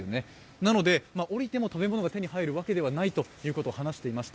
なので降りても食べ物が手に入るわけではないと話していました。